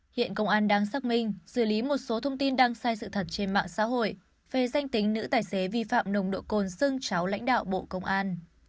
hiện công an đang xác minh xử lý một số thông tin đang sai sự thật trên mạng xã hội về danh tính nữ tài xế vi phạm nồng độ cồn xưng cháu lãnh đạo bộ công an